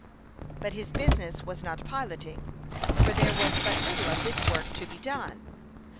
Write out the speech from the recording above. But his business was not piloting, for there was but little of this work to be done.